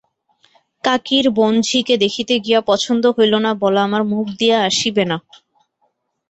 কাকীর বোনঝিকে দেখিতে গিয়া পছন্দ হইল না বলা আমার মুখ দিয়া আসিবে না।